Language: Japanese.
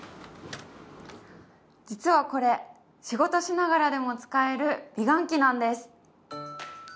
実はこれ、仕事しながらでも使える美顔器なんです。